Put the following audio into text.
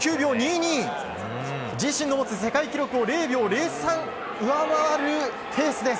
自身の持つ世界記録を０．０３秒上回るペース。